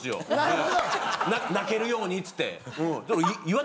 泣けるようにつってうん。